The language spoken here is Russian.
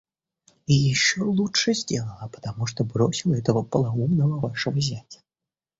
И еще лучше сделала, потому что бросила этого полоумного вашего зятя.